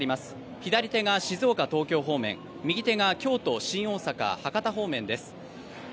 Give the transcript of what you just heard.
左手が静岡東京方面、右手が京都新大阪博多方面です。